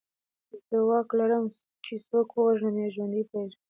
زه واک لرم چې څوک ووژنم یا یې ژوندی پرېږدم